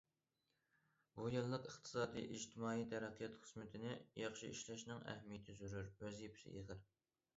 بۇ يىللىق ئىقتىسادىي، ئىجتىمائىي تەرەققىيات خىزمىتىنى ياخشى ئىشلەشنىڭ ئەھمىيىتى زور، ۋەزىپىسى ئېغىر.